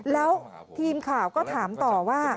แล้วทีมข่าวก็ถามต่อว่า